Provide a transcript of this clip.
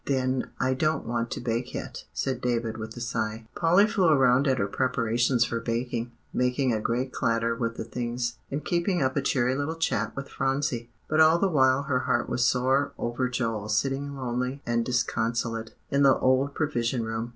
"Then, I don't want to bake yet," said David with a sigh. Polly flew around at her preparations for baking, making a great clatter with the things, and keeping up a cheery little chat with Phronsie. But all the while her heart was sore over Joel sitting lonely and disconsolate in the old Provision Room.